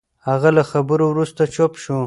هغه له خبرو وروسته چوپ شو.